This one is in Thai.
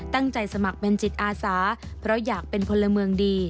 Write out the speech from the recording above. สมัครเป็นจิตอาสาเพราะอยากเป็นพลเมืองดี